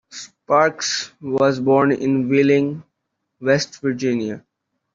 Sparks was born in Wheeling, West Virginia.